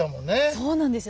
そうなんですよ。